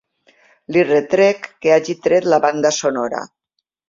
Li retrec que hagi tret la banda sonora.